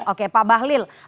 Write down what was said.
oke pak bahlil